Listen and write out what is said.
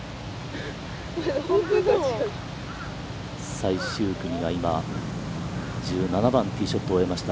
最終組が、今、１７番、ティーショットを終えました。